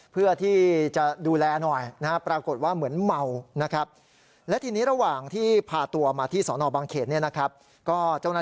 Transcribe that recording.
เพื่อที่จะดูแลหน่อยปรากฏว่าเหมือนเมา